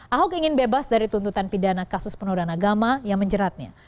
ahok ingin bebas dari tuntutan pidana kasus penodaan agama yang menjeratnya